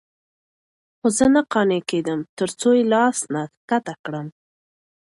خو زه نه قانع کېدم. ترڅو یې له آس نه ښکته کړم،